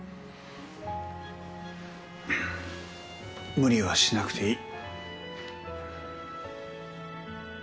無理はしなくていい。